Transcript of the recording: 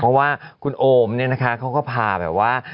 เพราะว่าคุณโอมเนี่ยนะคะเขาก็พาแบบว่า